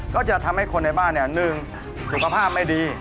ก็จะทำให้คนในบ้าน๑สุขภาพไม่ดี